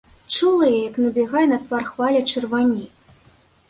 Чула, як набягае на твар хваля чырвані.